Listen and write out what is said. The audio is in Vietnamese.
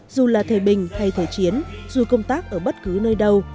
dù là thầy bình hay thầy chiến dù công tác ở bất cứ nơi đâu